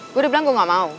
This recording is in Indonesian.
gue udah bilang gue gak mau